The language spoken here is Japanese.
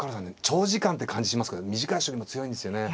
長時間って感じしますけど短い将棋も強いんですよね。